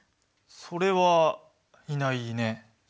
それはいないね。